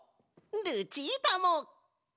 ルチータも！